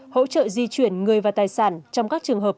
hỗ trợ di chuyển người và tài sản trong các trường hợp